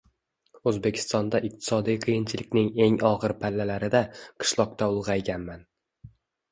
O‘zbekistonda iqtisodiy qiyinchilikning eng og‘ir pallalarida, qishloqda ulg‘ayganman.